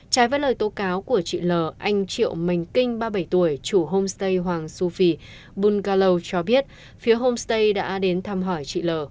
trái với lời tố cáo của chị l anh triệu mình kinh ba mươi bảy tuổi chủ homestay hoàng su phi bung galo cho biết phía homestay đã đến thăm hỏi chị l